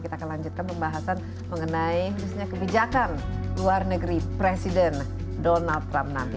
kita akan lanjutkan pembahasan mengenai khususnya kebijakan luar negeri presiden donald trump nanti